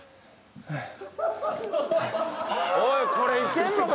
おいこれいけんのか？